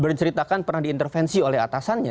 berceritakan pernah diintervensi oleh atasannya